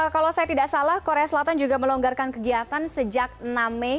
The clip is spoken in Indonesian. kalau saya tidak salah korea selatan juga melonggarkan kegiatan sejak enam mei